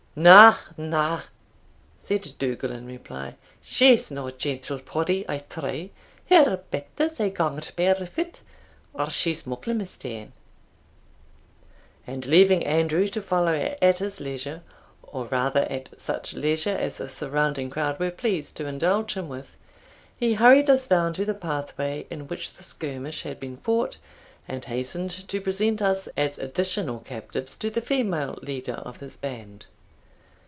"Na, na," said Dougal in reply, "she's nae gentle pody, I trow; her petters hae ganged parefoot, or she's muckle mista'en." And, leaving Andrew to follow at his leisure, or rather at such leisure as the surrounding crowd were pleased to indulge him with, he hurried us down to the pathway in which the skirmish had been fought, and hastened to present us as additional captives to the female leader of his band.